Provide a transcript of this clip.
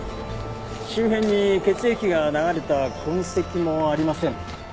周辺に血液が流れた痕跡もありません。